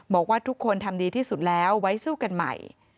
บอกว่าทุกคนทำดีที่สุดแล้วไว้สู้กันใหม่